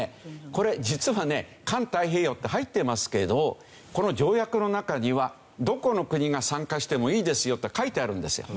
これ実はね環太平洋って入ってますけどこの条約の中にはどこの国が参加してもいいですよって書いてあるんですよ。